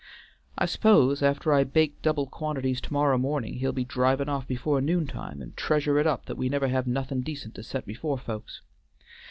I s'pose, after I bake double quantities to morrow mornin', he'll be drivin' off before noon time, and treasure it up that we never have nothin' decent to set before folks.